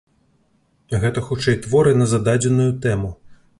Гэта хутчэй творы на зададзеную тэму.